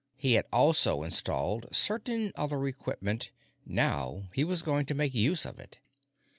He had also installed certain other equipment; now he was going to make use of it.